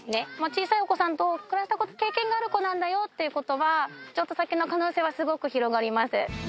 小さいお子さんと暮らした経験がある子なんだよということは、譲渡先の可能性はすごく広がります。